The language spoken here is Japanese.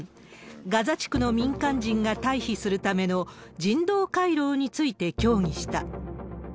ガザ地区の民間人が退避するための人道回廊について協議した。